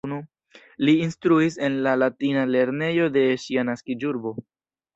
Li instruis en la Latina Lernejo de sia naskiĝurbo.